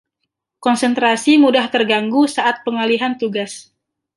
Konsentrasi mudah terganggu saat pengalihan tugas.